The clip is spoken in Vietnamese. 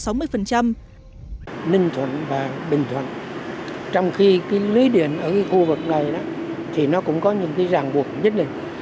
ninh thuận và bình thuận trong khi lưới điện ở khu vực này thì nó cũng có những ràng buộc nhất định